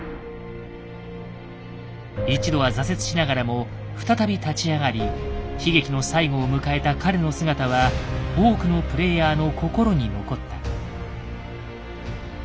一度は挫折しながらも再び立ち上がり悲劇の最期を迎えた彼の姿は多くのプレイヤーの心に残った。